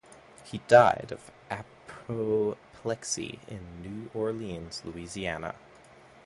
He died of apoplexy in New Orleans, Louisiana.